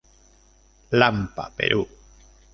Lampa Peru.